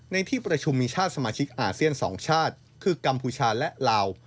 ในที่ประชุมมีชาติสมาชิกอาเซียน๒ชาติคือกัมพูชาและลาว